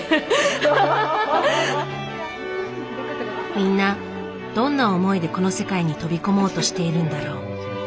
みんなどんな思いでこの世界に飛び込もうとしているんだろう。